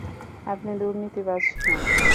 আপনি দুর্নীতিবাজ নন।